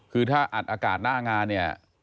คือถ้าอัดอากาศหน้างานเนี่ย